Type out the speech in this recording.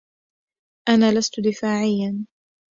أنا لست دفاعيا.